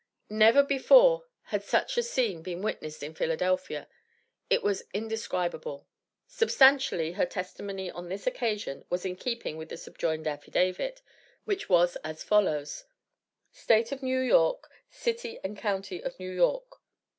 Never before had such a scene been witnessed in Philadelphia. It was indescribable. Substantially, her testimony on this occasion, was in keeping with the subjoined affidavit, which was as follows "State of New York, City and County of New York.